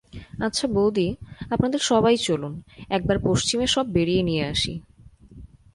-আচ্ছা বৌদি, আপনাদের সবাই চলুন, একবার পশ্চিমে সব বেড়িয়ে নিয়ে আসি।